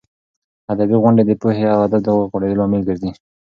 ادبي غونډې د پوهې او ادب د غوړېدو لامل ګرځي.